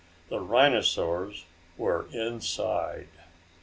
The rhinosaurs were inside.